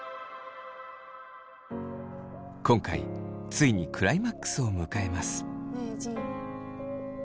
今回ついにクライマックスを迎えます。